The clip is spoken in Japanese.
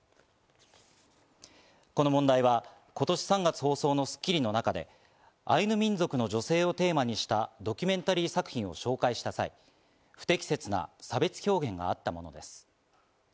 この問題は今年３月放送の『スッキリ』の中でアイヌ民族の女性をテーマにしたドキュメンタリー作品を紹介した際、不適切な差別表現があったものです。